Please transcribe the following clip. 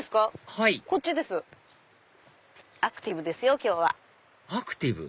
はいアクティブですよ今日は。アクティブ？